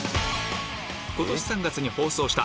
今年３月に放送した